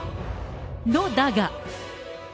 のだが。